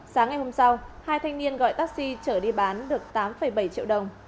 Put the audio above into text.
sáng ngày hôm sau hai thanh niên gọi taxi trở đi bán được tám bảy triệu đồng